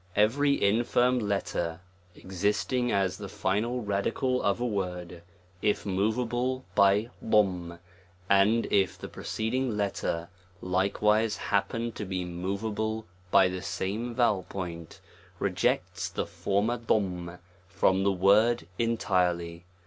EVERY infirm letter, existing as the dual radical of a word, if moveable by *, and if the preceding letter likewise happen to be moveable by the same vowel point, rejects the former * from the word entirely.